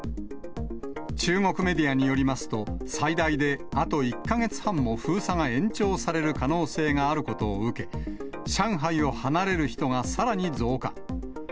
中国メディアによりますと、最大であと１か月半も封鎖が延長される可能性があることを受け、上海を離れる人がさらに増加。